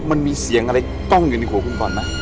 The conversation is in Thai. มันมีเสียงอะไรกล้องอยู่ในหัวคุณก่อนไหม